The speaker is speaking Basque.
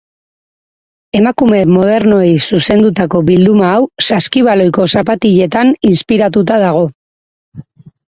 Emakume modernoei zuzendutako bilduma hau saskibaloiko zapatiletan inspiratuta dago.